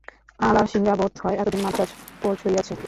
আলাসিঙ্গা বোধ হয় এতদিনে মান্দ্রাজ পঁহুছিয়াছে।